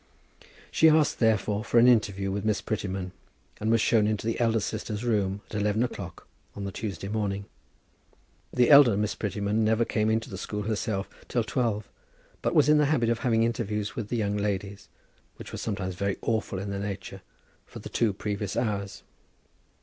She asked, therefore, for an interview with Miss Prettyman, and was shown into the elder sister's room, at eleven o'clock on the Tuesday morning. The elder Miss Prettyman never came into the school herself till twelve, but was in the habit of having interviews with the young ladies, which were sometimes very awful in their nature, for the two previous hours.